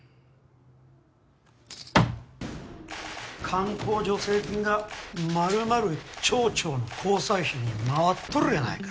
観光助成金が丸々町長の交際費に回っとるやないか。